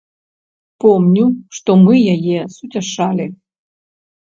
Помню, што мы яе суцяшалі.